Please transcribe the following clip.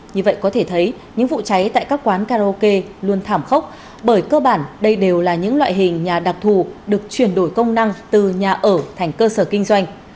như vậy có thể thấy những vụ cháy tại các quán karaoke luôn thảm khốc bởi cơ bản đây đều là những loại hình nhà đặc thù được chuyển đổi công năng từ nhà ở thành cơ sở kinh doanh